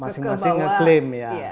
masing masing mengklaim ya